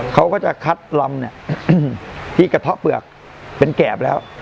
เขาก็จะคัดลำเนี่ยที่กระเทาะเปลือกเป็นแกบแล้ว